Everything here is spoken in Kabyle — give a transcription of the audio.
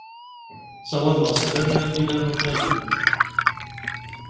Sawaḍeɣ sslam i Nabila n Ufalu.